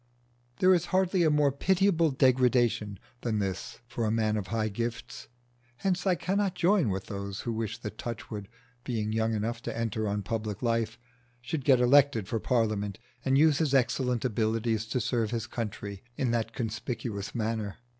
There is hardly a more pitiable degradation than this for a man of high gifts. Hence I cannot join with those who wish that Touchwood, being young enough to enter on public life, should get elected for Parliament and use his excellent abilities to serve his country in that conspicuous manner.